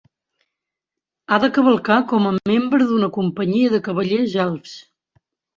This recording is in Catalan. Ha de cavalcar com a membre d'una companyia de cavallers elfs.